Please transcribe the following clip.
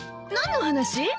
何の話？